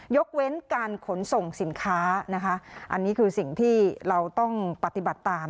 ยกเว้นการขนส่งสินค้านะคะอันนี้คือสิ่งที่เราต้องปฏิบัติตาม